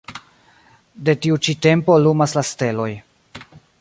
De tiu ĉi tempo lumas la steloj.